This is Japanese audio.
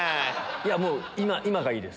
いやもう今がいいです。